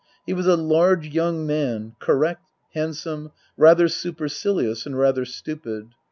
He was a large young man, correct, handsome, rather supercilious and rather stupid.